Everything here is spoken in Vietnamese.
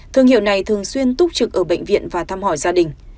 thương hiệu này thường xuyên túc trực ở bệnh viện và thăm hỏi gia đình